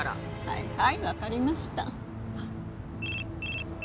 はいはいわかりました。